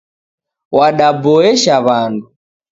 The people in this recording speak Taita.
Wadaboesha wandu